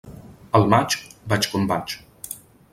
Al maig, vaig com vaig.